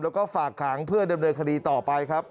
แล้วก็ฝากขังเพื่อดำเนินคดีต่อไปครับ